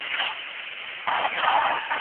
قرآن کريم له هره اړخه پوره او بشپړ کتاب دی.